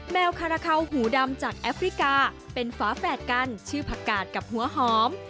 แมวคาราเขาหูดำจากแอฟริกาเป็นฝาแฝดกันชื่อผักกาดกับหัวหอม